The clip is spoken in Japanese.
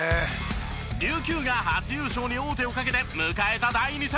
琉球が初優勝に王手をかけて迎えた第２戦。